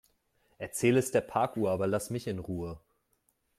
Erzähl es der Parkuhr, aber lass mich in Ruhe.